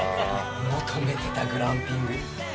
求めてたグランピング！